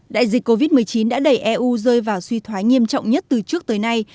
đại dịch covid một mươi chín đã đẩy eu rơi vào suy thoái nghiêm trọng nhất từ trước tới nay